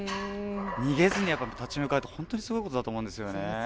逃げずに立ち向かうって本当にすごいことだと思うんですよね。